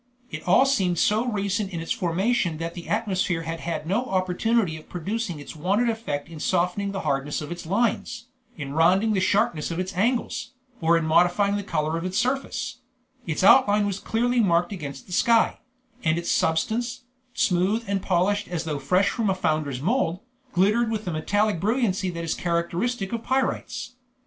It all seemed so recent in its formation that the atmosphere had had no opportunity of producing its wonted effect in softening the hardness of its lines, in rounding the sharpness of its angles, or in modifying the color of its surface; its outline was clearly marked against the sky, and its substance, smooth and polished as though fresh from a founder's mold, glittered with the metallic brilliancy that is characteristic of pyrites.